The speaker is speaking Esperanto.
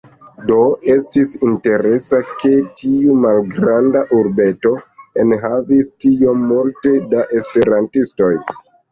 Do, estis interesa, ke tiu malgranda urbeto enhavis tiom multe da Esperantistoj.